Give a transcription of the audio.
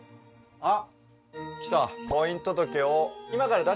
あっ！